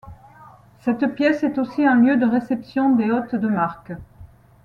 Cette pièce est aussi un lieu de réception des hôtes de marque.